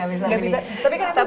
tapi kan bisa menghibau